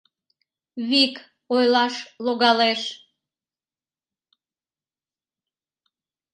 Вик ойлаш логалеш.